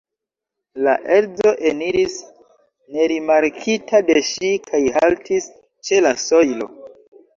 La edzo eniris nerimarkita de ŝi kaj haltis ĉe la sojlo.